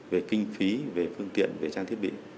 về kinh phí về phương tiện về trang thiết bị